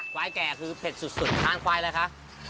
แก่คือเผ็ดสุดทานควายอะไรคะ